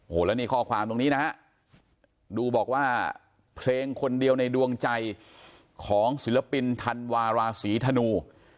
โอ้โหแล้วนี่ข้อความตรงนี้นะฮะดูบอกว่าเพลงคนเดียวในดวงใจของศิลปินธันวาราศีธนู